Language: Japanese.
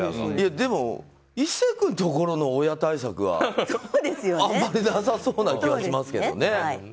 でも、壱成君のところの親対策はあまりなさそうな気がしますけどね。